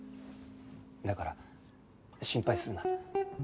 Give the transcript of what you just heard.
だから心配するな。